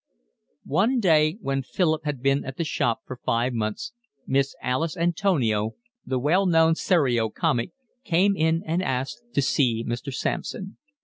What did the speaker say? One day, when Philip had been at the shop for five months, Miss Alice Antonia, the well known serio comic, came in and asked to see Mr. Sampson.